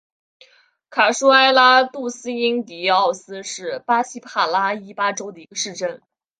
卡舒埃拉杜斯因迪奥斯是巴西帕拉伊巴州的一个市镇。